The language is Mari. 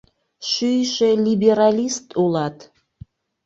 Шӱйшӧ либералист улат!